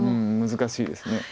難しいです。